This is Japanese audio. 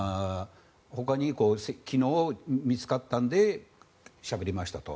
ほかに、昨日見つかったのでしゃべりましたと。